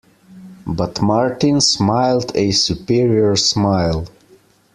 But Martin smiled a superior smile.